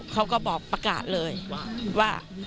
เขาก็บอกประกาศเลยว่า